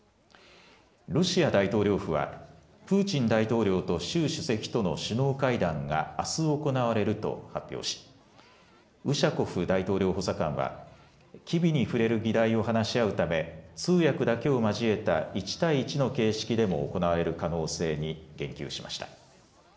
ロシア大統領府はプーチン大統領と習主席との首脳会談があす行われると発表し、ウシャコフ大統領補佐官は機微に触れる議題を話し合うため通訳だけを交えた１対１の形式でも行われる可能性に言及しました。